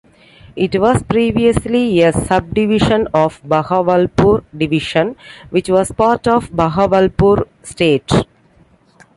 It was previously a sub-division of Bahawalpur Division, which was part of Bahawalpur State.